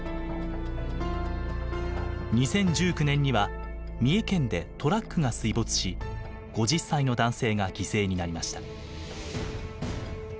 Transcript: ２０１９年には三重県でトラックが水没し５０歳の男性が犠牲になりました。